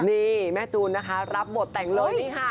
นี่แม่จูนนะคะรับบทแต่งเลยนี่ค่ะ